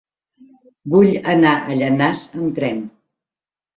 Vull anar a Llanars amb tren.